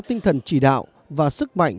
với tổ chức ấn độ